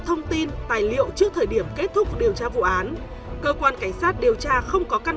thông tin tài liệu trước thời điểm kết thúc điều tra vụ án cơ quan cảnh sát điều tra không có căn